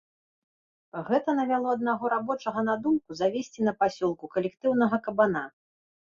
Гэта навяло аднаго рабочага на думку завесці на пасёлку калектыўнага кабана.